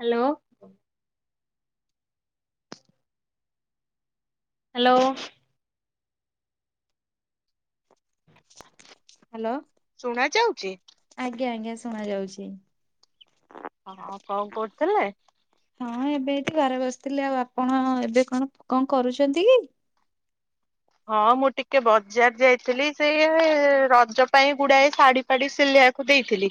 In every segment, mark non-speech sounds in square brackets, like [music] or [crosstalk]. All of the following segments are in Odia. ହ୍ୟାଲୋ। ହ୍ୟାଲୋ। ହ୍ୟାଲୋ। ଶୁଣା ଯାଉଚି। ଆଜ୍ଞା ଆଜ୍ଞା ଶୁଣା ଯାଉଚି। ହଉ କଣ କରୁଥିଲେ। ହଁ ଏବେ ଏଠି ଘରେ ବସିଥିଲି ଆଉ ଆପଣ ଏବେ କଣ କଣ କରୁଚନ୍ତି କି। ହଁ ମୁଁ ଟିକେ ବଜାର ଯାଇଥିଲି ସେଇ ରଜ ପାଇଁ ଗୁଡାଏ ଶାଢୀ ଫାଡି ସିଲେଇବାକୁ ଦେଇଥିଲି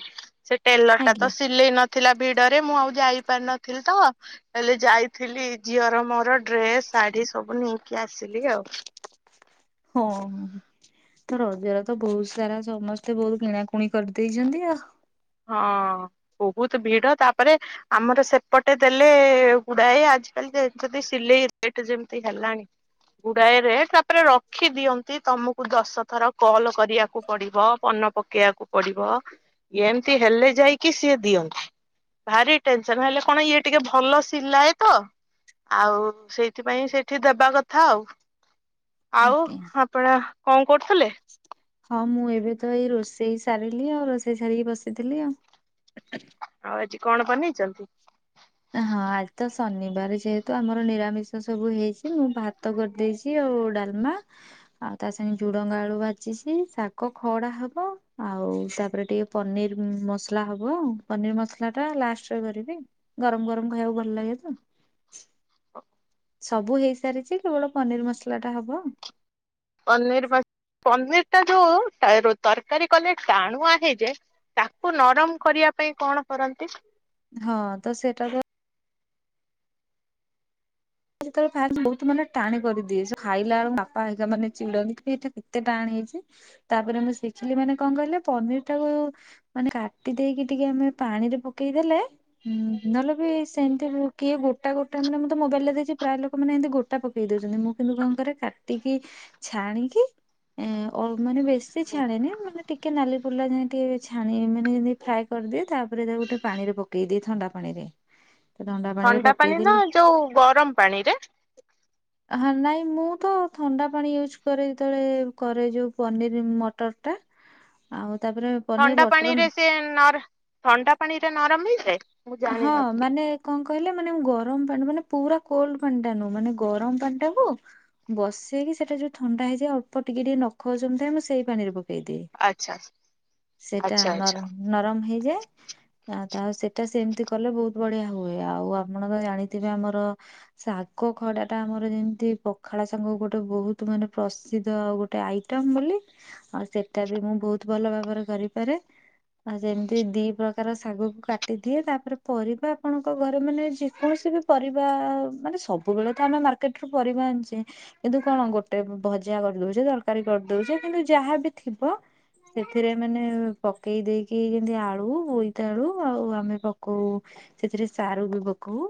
ସେ ଟେଲର ଟା ତ ଆଜ୍ଞା ସିଲେଇ ନ ଥିଲା ଭିଡରେ ମୁଁ ଆଉ ଯାଇପାରିନଥିଲି ତ ହେଲେ ଯାଇଥିଲି ଝିଅର ମୋର ଡ୍ରେସ ଶାଢୀ ସବୁ ନେଇକି ଆସିଲି ଆଉ। ହଁ। ତ ରଜର ତ ବୋହୁତ ସାରା ସମସ୍ତେ ବୋହୁତ କିଣାକୁଣି କରିଦେଇଛନ୍ତି ଆଉ। ହଁ ବୋହୁତ ଭିଡ ତାପରେ ଆମର ସେପଟେ ଦେଲେ ଗୁଡାଏ ଆଜିକାଲି ଯଦି ସିଲେଇ ରେଟ ଯେମତି ହେଲାଣି। ଗୁଡାଏ ରେ ତାପରେ ରଖି ଦିଅନ୍ତି ତମକୁ ଦଶ ଥର କଲ କରିବାକୁ ପଡିବ ପନ ପ ପକେଇବାକୁ ପଡିବ ଏମ୍ତି ହେଲେ ଯାଇକି ସିଏ ଦିଅନ୍ତି। ଭାରି ଟେନସନ ହେଲେ କଣ ଇଏ ଟିକେ ଭଲ ସିଲାଏ ତ ଆଉ ସେଇଥିପାଇଁ ସେଇଠି ଦେବା କଥା ଆଉ। ଆଉ ଆଜ୍ଞା ଆପଣ କଣ କରୁଥିଲେ। ହଁ ମୁଁ ଏବେ ତ ଏଇ ରୋଷେଇ ସାରିଲି ଆଉ ରୋଷେଇ ସାରିକି ବସିଥିଲି ଆଉ। ଆଉ ଆଜି କଣ ବନେଇଚନ୍ତି। ହଁ ଆଜି ତ ଶନିବାରେ ଯେହେତୁ ଆମର ନିରାମିଷ ସବୁ ହେଇଚି ମୁଁ ଭାତ କରିଦେଇଚି। କି ଆଉ ଡାଲମା। ଆଉ ତା ସାଙ୍ଗେ ଝୁଡଙ୍ଗ ଆଳୁ ବାଜିଚି ଶାଗ ଖଡା ହବ ଆଉ ତାପରେ ଟିକେ ପନିର ମସଲା ହବ ପନିର ମସଲା ଟା ଲାଷ୍ଟରେ କରିବି। ଗରମ ଗରମ ଖାଇବାକୁ ଭଲ ଲାଗେ ତ। ସବୁ ହେଇସାରିଚି କେବଳ ପନିର ମସଲା ଟା ହବ। ପନିର ପନିର ଟା ଯୋଉ ତରକାରୀ କଲେ ଟାଣୁ ଆ ହେଇ ଯାଏ। ତାକୁ ନରମ କରିବା ପାଇଁ କଣ କରନ୍ତି। ହଁ ତ ସେଇଟା ତ ସେତେଳେ ଫା ବୋହୁତ ମାନେ ଟାଣି କରିଦିଏ ସେ ଖାଇଲା ଏଳୁ ବାପା ହେରିକା ମାନେ ଚିଡ଼ନ୍ତି ଏଟା କେତେ ଟାଣ ହେଇଚି। ତାପରେ ମୁଁ ଶିଖିଲି ମାନେ କଣ କହିଲେ ପନିର ଟାକୁ ମାନେ କାଟି ଦେଇକି ଟିକେ ଆମେ ପାଣିରେ ପକେଇଦେଲେ ହୁଁ ନହେଲେ ବି ସେମିତି କିଏ ଗୋଟା ଗୋଟା ମାନେ ମୁଁ ତ ମୋବାଇଲରେ ଦେଇଚି ପ୍ରାୟ ଲୋକ ମାନେ ଏମିତି ଗୋଟା ପକେଇ ଦଉଚନ୍ତି ମୁଁ କିନ୍ତୁ କଣଙ୍କରେ କାଟିକି ଛାଣିକି ଏଁ ଅ ମାନ ବେଶୀ ଛାଣେ ନା ମାନେ ଟିକେ ନାଲି ପୋଲା ଯାଇକି ଛାଣି ମାନେ ଯେମି ଫ୍ରାଏ କରିଦିଏ ତାପରେ ତାକୁ ଗୋଟେ ପାଣିରେ ପକେଇଦିଏ ଥଣ୍ଡା ପାଣିରେ। ପାଣିରେ ଥଣ୍ଡା ପାଣି ପକେଇଦେଲି ନା ଯୋଉ ଗରମ ପାଣି ରେ। ହ ନାଇଁ ମୁଁ ତ ଥଣ୍ଡା ପାଣି ୟୁଜ୍ କରେ ଯେତେବେଳେ କରେ ଯେଉଁ ପନିର ମଟରଟା। ଆଉ ତାପରେ ଥଣ୍ଡା ପାଣିରେ ସେ ନର ଥଣ୍ଡା ପାଣିରେ ନରମ ହେଇଯାଏ। ମୁଁ ହଁ ଜାଣିନଥିଲି। ମାନେ କଣ କହିଲେ ମାନେ ଗରମ ପାଣି ମାନେ ପୁରା କୋଲଡ଼ ପାଣି ଟା ନୁହଁ ମାନେ ଗରମ ପାଣି ଟାକୁ ବସେଇକି ସେଟା ଯୋଉ ଥଣ୍ଡା ହେଇଯାଏ ଅଳ୍ପ ଟିକେ ଟିକେ ନଖ ଉଷୁମୁ ଥାଏ ମୁ ସେଇ ପାଣିରେ ପ ଆଚ୍ଛା [unintelligible] ସେଇଟା ଆଚ୍ଛା ଆଚ୍ଛା ନରମ। ନରମ ହେଇଯାଏ ଆ ତା ସେଇଟା ସେମିତି କଲେ ବହୁତ ବଢିଆ ହୁଏ ଆଉ ଆପଣ ତ ଜାଣିଥିବେ ଆମର ଶାଗ ଖଡା ଟା ଆମର ଯେମତି ପଖାଳ ସାଙ୍ଗକୁ ଗୋଟେ ବହୁତ ମାନେ ପ୍ରସିଦ୍ଧ ଆଉ ଗୋ ଗୋଟେ ଆଇଟମ ବୋଲି ଆଉ ସେଟା ବି ମୁଁ ବହୁତ ଭଲ ଭାବରେ କରିପାରେ। ଆଉ ଯେମିତି ଦି ପ୍ରକାର ଶାଗକୁ କାଟ କାଟିଦିଏ ତାପରେ ପରିବା ଆପଣଙ୍କ ଘରେ ମାନେ ଯେକୌଣସି ବି ପରିବା ମାନେ ସବୁବେଳେ ତ ଆମେ ମାର୍କେଟ ର୍କେଟ ରୁ ପରିବା ଆଣଚେ। ଏବେ କଣ ଗୋଟେ ଭଜା କରିଦଉଛି ତରକାରୀ କରିଦଉଛି କିନ୍ତୁ ଯାହାବି ଥିବ। ସେଥିରେ ମାନେ ପକେଇ ଦେଇକି ଯେମତି ଆଳୁ ବୋଇତାଆଳୁ ଆଉ ଆମେ ପକଉ ସେଥିରେ ସାରୁ ବି ପକଉ।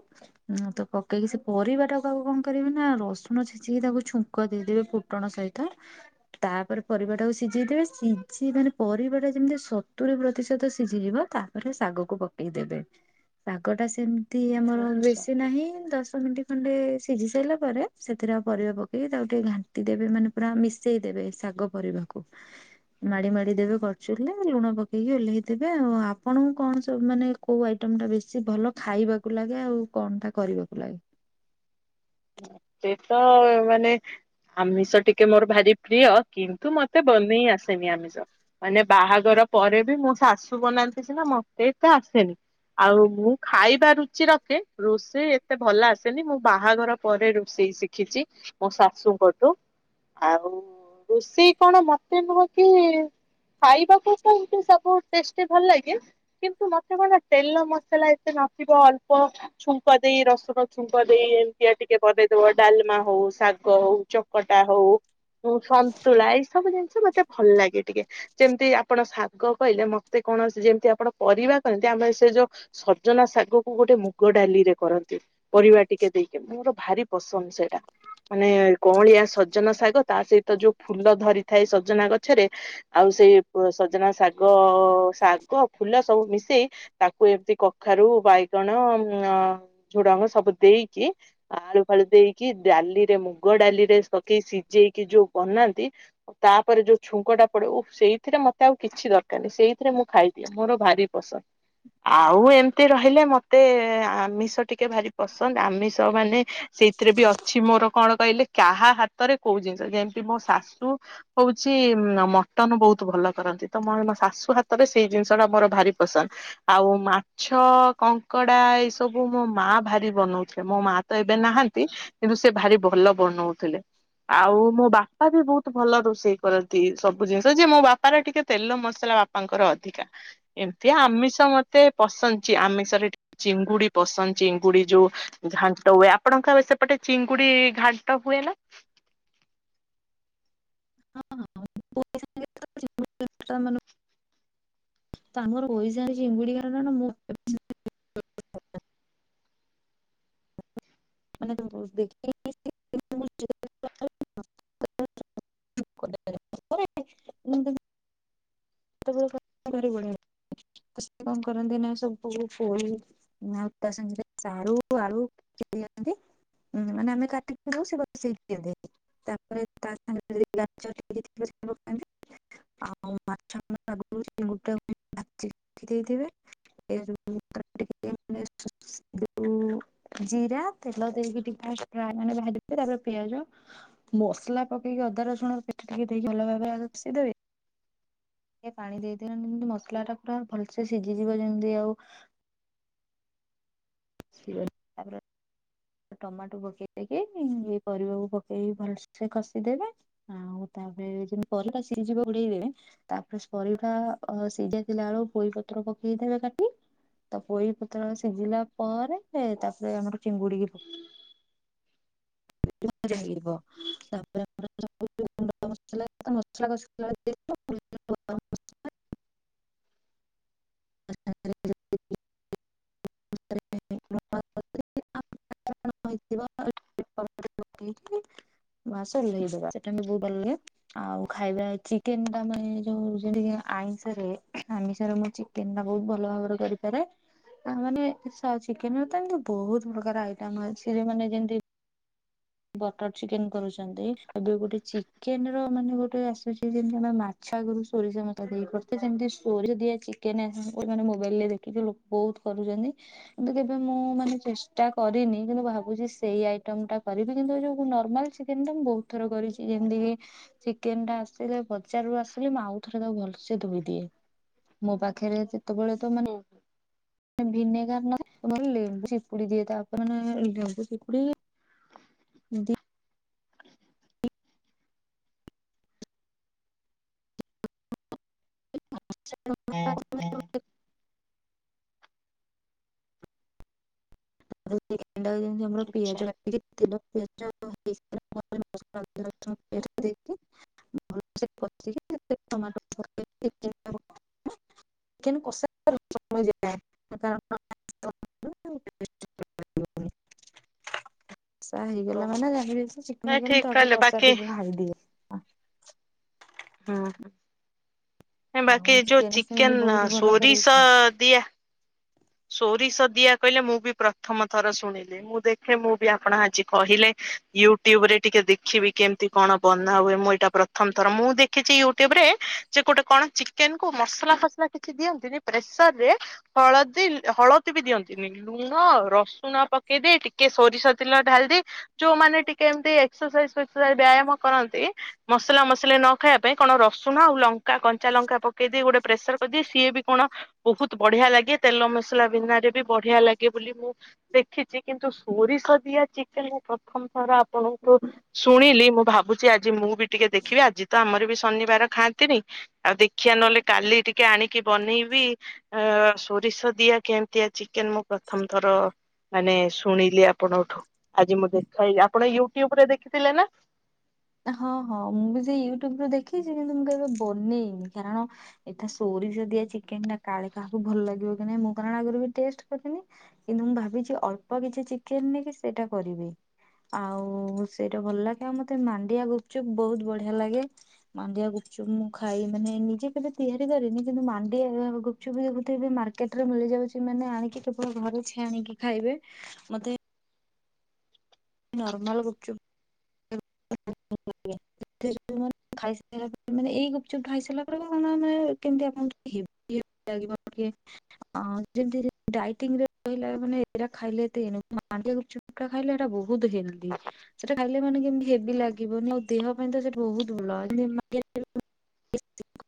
ହୁଁ ତ ପକେଇକି ସେ ପରିବା ଟାକୁ ଆଗ କଣ କରିବେ ନା ରସୁଣ ଛେଚିକି ତାକୁ ଛୁଁ ଙ୍କ ଦେଇଦେବେ ଫୁଟଣ ସହିତ। ତାପରେ ପରିବାଟାକୁ ସିଝେଇ ଦେବେ ସିଝି ମାନେ ପରିବାଟା ଯେମିତି ସତୁରି ପ୍ରତିଶତ ସିଝିଯିବ ତା ପରେ ଶାଗକୁ ପକେଇ ଦେବେ ଶାଗ ଟା ସେମିତି ଆମର ଆଚ୍ଛା ବେଶୀ ନାହିଁ ଦଶ ମିନିଟ। ଖଣ୍ଡେ ସିଝି ସାରିଲା ପରେ ସେଥିରେ ଆଉ ପରିବା ପକେଇକି ତାକୁ ଟିକେ ଘାଣ୍ଟି ଦେବେ ମାନେ ପୁରା ମିଶେଇ ଦେବେ ଶାଗ। ପରିବାକୁ। ମାଡି ମାଡି ଦେବେ କରଚୁଲି ରେ ଲୁଣ ପକେଇକି ଓହ୍ଲେଇ ଦେବେ ଆଉ ଆପଣଙ୍କୁ କଣ ସବୁ ମାନେ କୋଉ ଆଇଟମ ଟା ବେଶୀ ଭଲ ଖାଇବାକୁ ଲାଗେ ଆଉ କଣ ଟା କରିବାକୁ ଲାଗେ? ସେଇତ ମାନେ ଆମିଷ ଟିକେ ମୋର ଭାରି ପ୍ରିୟ କିନ୍ତୁ ମତେ ବନେଇ ଆସେନି ଆମିଷ। ମାନେ ବାହାଘର ପରେ ବି ମୁଁ ଶାଶୁ ବନାନ୍ତି ସିନା ମତେ ଏତେ ଆସେନି। ଆଉ ମୁଁ ଖାଇବା ରୁଚି ରଖେ ରୋଷେଇ ଏତେ ଭଲ ଆସେନି ମୁଁ ବାହାଘର ପରେ ରୋଷେଇ ଶିଖିଛି ମୋ ଶାଶୁଙ୍କଠୁ ଆଉ ରୋଷେଇ କଣ ମତେ ନୁହଁ କି ଖାଇବାକୁ ତ ଏମତି ସବୁ ଟେଷ୍ଟି ଭଲ ଲାଗେ। କିନ୍ତୁ ମତେ କଣ ତେଲ ମସଲା ଏତେ ନଥିବ ଅଳ୍ପ ଛୁଙ୍କ ଦେଇ ରସୁଣ ଛୁଙ୍କ ଦେଇ ଇଏ ଟିକେ ବନେଇଦବା ଡାଲମା ହଉ ଶାଗ ହଉ ଚକଟା ହଉ। ସନ୍ତୁଳା ଏଇ ସବୁ ଜିନିଷ ମତେ ଭଲ ଲାଗେ ଟିକେ। ଯେମିତି ଆପଣ ଶାଗ କହିଲେ ମତେ କୌଣସି ଯେମିତି ଆପଣ ପରିବା କହନ୍ତି ଆମେ ସେ ଯୋଉ ସଜନା ଶାଗ କୁ ଗୋଟେ ମୁଗ ଡାଲିରେ କରନ୍ତି ପରିବା ଟିକେ ଦେଇକି। ମୋର ଭାରି ପସନ୍ଦ ସେଇଟା। ମାନେ କଅଁଳିଆ ସଜନା ଶାଗ ତା ସହିତ ଯୋଉ ଫୁଲ ଧରିଥାଏ ସଜନା ଗଛରେ ଆଉ ସେଇ ସଜନା ଶାଗ ଶାଗ ଫୁଲ ସବୁ ମିଶେଇ ତାକୁ ଏମତି କଖାରୁ ବାଇଗଣ ଝୁଡଙ୍ଗ ସବୁ ଦେଇକି ଆଳୁ ଫାଳୁ ଦେଇକି ଡାଲିରେ ମୁଗ ଡାଲି ରେ ପକେଇ ସିଝେଇକି ଯୋଉ ବନାନ୍ତି। ତାପରେ ଯୋଉ ଛୁଙ୍କ ଟା ପଡେ ଓ ସେଇଥିରେ ମତେ ଆଉ କିଛି ଦରକାର ନାହିଁ ସେଇଥିରେ ମୁଁ ଖାଇଦିଏ। ମୋର ଭାରି ପସନ୍ଦ। ଆଉ ଏମତି ରହିଲେ ମତେ ଆମିଷ ଟିକେ ଭାରି ପସନ୍ଦ। ଆମିଷ ମାନେ ସେଇଥିରେ ବି ଅଛି ମୋର କଣ କହିଲେ କାହା ହାତରେ କୋଉ ଜିନିଷ ଯେମି ମୋ ଶାଶୁ ହଉଛି ମଟନ ବହୁତ ଭଲ କରନ୍ତି ତମୋ ମୋ ଶାଶୁ ହାତରେ ସେଇ ଜିନିଷ ଟା ମୋର ଭାରି ପସନ୍ଦ। ଆଉ ମାଛ, କଙ୍କଡା ଏଇ ସବୁ ମୋ ମା ଭାରି ବନଉ ମୋ ମା ତ ଏବେ ନାହାନ୍ତି କିନ୍ତୁ ସେ ଭାରି ଭଲ ବନଉଥିଲେ। ଆଉ ମୋ ବାପା ବି ବହୁତ ଭଲ ରୋଷେଇ କରନ୍ତି ସବୁ ଜିନିଷ ଯେ ମୋ ବାପା ରଟିକେ ତେଲ ମସଲା ବାପା ବାପାଙ୍କର ଅଧିକା ଏମିତି ଆମିଷ ମତେ ପସନ୍ଦଚି ଆମିଷରେ ଟି ଚିଙ୍ଗୁଡି ପସନ୍ଦ ଚିଙ୍ଗୁଡି ଯୋଉ ଘାଣ୍ଟ ହୁଏ ଆପଣଙ୍କ ଏବେ ସେପଟେ ଚିଙ୍ଗୁଡି ଘାଣ୍ଟ ହୁଏ ନା। ହଁ ହଁ [unintelligible] ତାଙ୍କର ପଇସା ହେଇଛି ଚିଙ୍ଗୁଡି କାରଣ ମୁଁ ମାନେ [unintelligible] [inaudible] ସେତେବେଳେ [unintelligible] ଭାରି ବଢିଆ ଲାଗେ ତ ସେ କଣ କରନ୍ତି ନା ସବୁ ପୋଇ ଆଉ ତା ସାଙ୍ଗରେ ସାରୁ ଆଳୁ। [unintelligible] ହୁଁ ମାନେ ଆମେ କାଟି କୁଟା ଦବୁ ସେ ବସେଇ ଦିଅନ୍ତି। ତାପରେ ତା ସାଙ୍ଗରେ [unintelligible] ଆଉ ତା ଆଗରୁ ଚିଙ୍ଗୁଡି ଟାକୁ ଭାଜି ଦେଇଥିବେ ଏ ଟିକେ ୁ [inaudible] ଜିରା ତେଲ ଦେଇକି ଟିକେ ଫ୍ରା ମାନେ ଭାଜି ଦେଇଥିବେ ତାପରେ ପିଆଜ ମସଲା ପକେଇକି ଅଦା ରସୁଣ ପେଷ୍ଟ ଟିକେ ଦେଇକି ଭଲ ଭାବେ ଆଗେ କସି ଦେବେ। ଟିକେ ପାଣି ଦେଇଦିଅନ୍ତି ଯେମିତି ମସଲା ଟା ପୁରା ଭଲସେ ସିଝିଯିବ ଯେମିତି ଆଉ ସେ [unintelligible] ଟମାଟୋ ପକେଇଦେଇକି ଏ ପରିବାକୁ ପକେଇକି ଭଲସେ କଷିଦେବେ। ଆଉ ତାପରେ ଯେମତି ପରିବା ସିଝିବ ଘୋଡେଇଦବେ ତାପରେ ପରିବା ସିଜି ଆସି ଥିଲା ବେଳକୁ ପୋଇ ପତ୍ର ପକେଇ ଦେବେ କାଟି ତ ପୋଇ ପତ୍ର ସିଝିଲା ପରେ ତାପରେ ଆମର ଚିଙ୍ଗୁଡିକି ହ ତାପରେ ଆମର ମସଲା [inaudible] ହଁ ହେଇଥିବ [unintelligible] ସେଟା ବହୁତ ଭଲ ଲାଗେ। ଆଉ ଖାଇବା ଚିକେନ ଟା ମାନେ ଯୋଉ ଯେମିତିକି ଆଇଁଷରେ ଆମିଷରେ ମୁଁ ଚି ଚିକେନ ଟା ବହୁତ ଭଲ ଭାବରେ କରିପାରେ। ତା ମାନେ ଚିକେନ ର ତ ଏମିତି ବହୁତ ପ୍ରକାର ଆଇଟମ ଅଛିହେରି ମାନେ ଯେମିତି ବଟର ଚିକେନ କରୁଛନ୍ତି, ଏବେ ଗୋଟେ ଚିକେନ ର ମାନେ ଗୋଟେ ଆସୁଛି ଯେମିତି ଆମେ ମା ମାଛ ଆଗରୁ ସୋରିଷ ମସଲା ଦେଇ କରୁଛେଯେମିତି ସୋରିଷ ଦିଆ ଚିକେନ ଆସିଛି ମାନେ ମୋବାଇଲ ରେ ଦେଖିଥିଲୁ। ବହୁତ କରୁଛନ୍ତି କିନ୍ତୁ କେବେ ମୁଁ ମାନେ ଚେଷ୍ଟା କରିନି କିନ୍ତୁ ଭାବୁଛି ସେଇଆଇ ଟମଟା କରିବି କିନ୍ତୁ ଯୋଉ ନର୍ମାଲ ଚିକେନ ଟା ମୁଁ ବହୁତ ଥର କରିଛି ଯେମିତି କି ଚିକେନ ଟା ଆସିଲେ ବଜାରୁ ଆସିଲେ, ମୁଁ ଆଉ ଥରେ ତାକୁ ଭଲସେ ଧୋଇ ଦିଏ। ମୋ ପାଖରେ ସେତେବେଳେ ତ ମାନେ ହୁଁ। ଭିନେଗାର ନାହିଁ ଲେମ୍ବୁ ଚିପୁଡ଼ି ଦିଏ ତାପରେ ମ ଲେମ୍ବୁ ଚିପୁଡ଼ି [inaudible] ହଁ -ହଁ। [unintelligible] ଆଚ୍ଛା ପିଆଜ [unintelligible] [unintelligible] ଭଲ ସେ କଷିକି ଟମାଟୋ ଦେଇକି [unintelligible] ଚିକେନ କଷା [unintelligible] ଯ କଷା ହେଇଗଲା ଓହୋ ମାନେ ଜାନିବେ ଯେ ଚିକେନ ନାଇଁ ହେଇଗଲା, ଠିକ ତ ଆଗ କହିଲେ କଷା ବାକି ଟିକେ ଖାଇଦିଏ। ହଁ। ବାକି ଆଉ ଯୋଉ ସେମିତି ଚିକେନ ବହୁତ ଭଲ କରିକି ଖାଏ। ସୋରିଷ ଦିଆ ସୋରିଷ ଦିଆ କହିଲେ ମୁଁ ବି ପ୍ରଥମ ଥର ଶୁଣିଲି। ମୁଁ ଦେଖେ ମୁଁ ବି ଆପଣ ଆଜି କହିଲେ, ୟୁଟ୍ୟୁବରେ ଟିକେ ଦେଖିବି କେମିତି କଣ ବନା ହୁଏ? ମୁଁ ଏଇଟା ପ୍ରଥମ ଥର, ମୁଁ ଦେଖିଛି ୟୁଟ୍ୟୁବ ରେ ଯେ ଗୋଟେ କଣ ଚି ଚିକେନ କୁ ମସଲା ଫସଲା କିଛି ଦିଅନ୍ତିନି, ପ୍ରେସରରେ ହଳ ହଳଦୀ ବି ଦିଅନ୍ତିନି। ଲୁଣ, ରସୁଣ ପକେଇଦେଇ ଟିକେ ସୋରିଷ ତେଲ ଢାଳିଦେଇ ଯୋଉମାନେ ଟିକେ ଏମତି ଏକ୍ସରସାଇଜ ଫେସ୍କରସାଇଜ ବ୍ୟାୟାମ କରନ୍ତି ମସଲା ମସଲି ନ ଖାଇବା ପାଇଁ, କଣ ରସୁଣ ଆଉ ଲଙ୍କା କଞ୍ଚା ଲଙ୍କା ପକେଇଦିଏ ଗୋଟେ ପ୍ରେସର କରିଦିଏ। ସିଏ ବି କଣ ବହୁତ ବଢିଆ ଲାଗେ, ତେଲ ମସଲା ବିନାରେ ବି ବଢିଆ ଲାଗେ ବୋଲି ମୁଁ ଦେଖିଛି, କିନ୍ତୁ ସୋରିଷ ଦିଆ ଚିକେନ ମୁଁ ପ୍ରଥମ ଥର ଆପଣଙ୍କଠୁ ଶୁଣିଲି ମୁଁ ଭାବୁଛି ଆଜି ମୁଁ ବି ଟିକେ ଦେଖିବି, ଆଜି ତ ଆମର ବି ଶନିବାର ଖାଆନ୍ତିନି। ଆଉ ଦେଖିଆ ନହେଲେ କାଲି ଟିକେ ଆଣିକି ବନେଇବି। ଆ ସୋରିଷ ଦିଆ କେମିତିଆ ଚିକେନ ମୁଁ ପ୍ରଥମ ଥର ମାନେ ଶୁଣିଲି ଆପଣଙ୍କଠୁ, ଆଜି ମୁଁ ଦେଖେଇଲି। ଆପଣ ୟୁଟ୍ୟୁବ ରେ ଦେଖିଥିଲେ ନା? ହଁ -ହଁ ମୁଁ ବି ସେ ୟୁଟ୍ୟୁବରୁ ଦେଖିଛି, କିନ୍ତୁ ମୁଁ କେବେ ବନେଇନି କାରଣ ଏଇଟା ସୋରିଷ ଦିଆ ଚିକେନ ଟା କାଳେ କାହାକୁ ଭଲ ଲାଗିବ କି ନାଇଁ, ମୁଁ କାରଣ ଆଗରୁ ବି ଟେଷ୍ଟ କରିନି। କିନ୍ତୁ ମୁଁ ଭାବିଛି ଅଳ୍ପ କିଛି ଚିକେନ ନେଇକି ସେଇଟା କରିବି। ଆଉ ସେଇଟା ଭଲ ଲାଗେ, ଆଉ ମତେ ମାଣ୍ଡିଆ ଗୁପଚୁପ୍ ବହୁତ ବଢିଆ ଲାଗେ। ମାଣ୍ଡିଆ ଗୁପଚୁପ ମୁଁ ଖାଇ, ମାନେ ନିଜେ କେବେ ତିଆରି କରିନି କିନ୍ତୁ ମାଣ୍ଡିଆ [unintelligible] ଗୁପଚୁପ ଦେଖୁଥିବେ ଯୋଉ ମାର୍କେଟରେ ମିଳିଯାଉଛି, ମାନେ ଆଣିକି କେବଳ ଘରେ ଛାଣିକି ଖାଇବେ। ମତେ ନର୍ମାଲ ଗୁପଚୁପ [unintelligible] ଖାଇ ସାରିଲା ପରେ ମାନେ ଏଇ ଗୁପଚୁପ୍ ଖାଇ ସାରିଲା ପରେ, [unintelligible] ମାନେ କେମିତି ଆପଣଙ୍କୁ ଲାଗିବ [unintelligible] ଆ ଯେମିତି ଡ଼ାଇଟିଙ୍ଗରେ ରହିଲେ, ମାନେ ଏଇଟା ଖାଇଲେ ମାଣ୍ଡିଆ ଗୁପଚୁପ [unintelligible] ଖାଇଲେ ଏଇଟା ବହୁତ ହେଲ୍ଦୀ, ସେଟା ଖାଇଲେ ମାନେ କେମି ହେବି ଲାଗିବନି। ଆଉ ଦେହ ପାଇଁ ତ ସେଠ ବହୁତ ଭଲ। [unintelligible]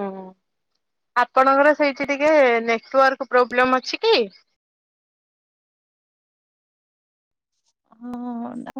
ହଁ ଆପଣଙ୍କର ସେଇଠି ଟିକେ ନେଟୱାର୍କ ପ୍ରୋବ୍ଲେମ୍ ଅଛି କି? ହଁ।